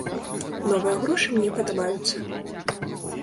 Новыя грошы мне падабаюцца.